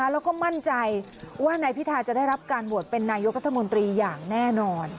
แล้วก็มั่นใจว่านายพิทาจะได้รับการโหวตเป็นนายกรัฐมนตรีอย่างแน่นอน